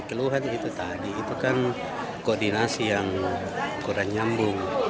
keluhan itu tadi itu kan koordinasi yang kurang nyambung